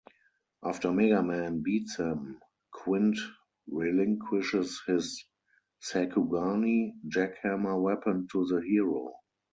After Mega Man beats him, Quint relinquishes his "Sakugarne" jackhammer weapon to the hero.